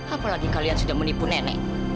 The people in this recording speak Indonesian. apalagi kalian sudah menipu nenek